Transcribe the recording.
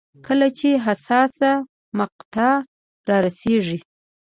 کله چې حساسه مقطعه رارسېږي.